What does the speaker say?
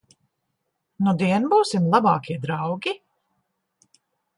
Nudien būsim labākie draugi?